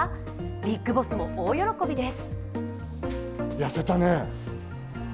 ビッグボスも大喜びです。